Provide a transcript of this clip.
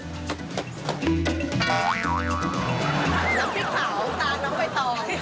น้ำพริกเผาตามน้ำไว้ต่อ